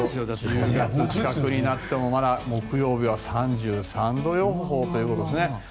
１０月になっても木曜日は３３度予報ということですね。